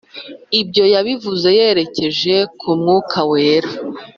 Ibyo yabivuze yerekeje ku Mwuka Wera,